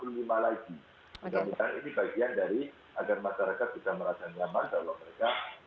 dan ini bagian dari agar masyarakat bisa merasa nyaman kalau mereka